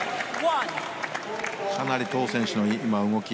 かなりトー選手の動き